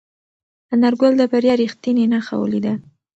انارګل د بریا رښتینې نښه ولیده.